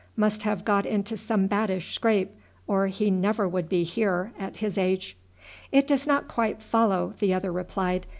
Must have got into some baddish scrape, or he never would be here at his age." "It does not quite follow," the other replied.